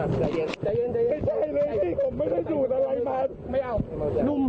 ไม่เอาดุ้ม